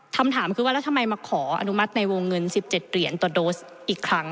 คำถามคือว่าแล้วทำไมมาขออนุมัติในวงเงิน๑๗เหรียญต่อโดสอีกครั้ง